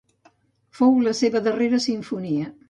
Fou la seva darrera simfonia.